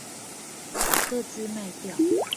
把個資賣掉